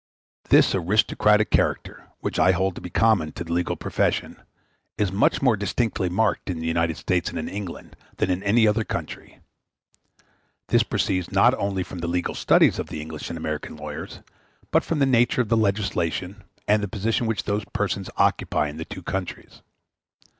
This aristocratic character, which I hold to be common to the legal profession, is much more distinctly marked in the United States and in England than in any other country. This proceeds not only from the legal studies of the English and American lawyers, but from the nature of the legislation, and the position which those persons occupy in the two countries.